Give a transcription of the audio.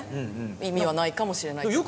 意味はないかもしれないけど。